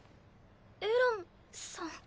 エランさん。